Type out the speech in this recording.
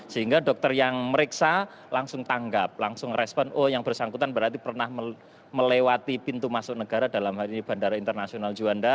sehingga dokter yang meriksa langsung tanggap langsung respon oh yang bersangkutan berarti pernah melewati pintu masuk negara dalam hal ini bandara internasional juanda